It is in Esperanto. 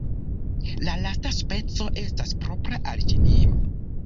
La lasta speco estas propra al Ĉinio.